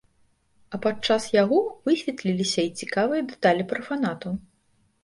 А падчас яго высветліліся і цікавыя дэталі пра фанатаў.